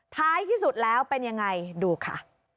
ท้ายที่สุดแล้วเป็นยังไงดูค่ะ